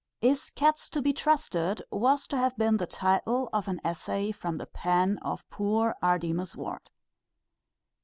"Is cats to be trusted?" was to have been the title of an essay from the pen of poor Artemus Ward.